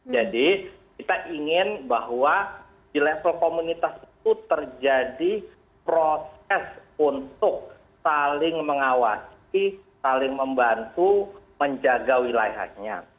kita ingin bahwa di level komunitas itu terjadi proses untuk saling mengawasi saling membantu menjaga wilayahnya